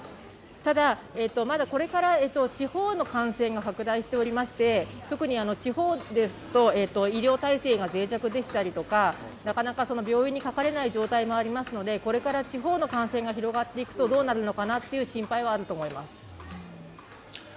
ただ、まだこれから地方の感染が拡大していまして特に地方ですと、医療体制がぜい弱でしたりとかなかなか病院にかかれない状態もありますので、これから地方の感染が広がっていくとどうなるのかなっていう心配はあると思います。